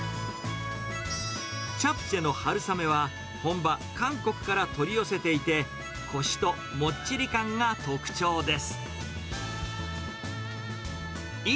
チャプチェの春雨は、本場、韓国から取り寄せていて、こしともっちり感が特徴です。